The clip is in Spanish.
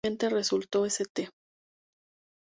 Consecuentemente resultó St.